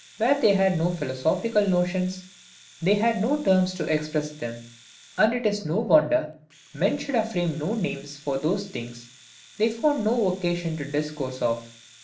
Where they had no philosophical notions, there they had no terms to express them: and it is no wonder men should have framed no names for those things they found no occasion to discourse of.